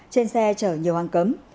trên xe chở nhiều hàng cấm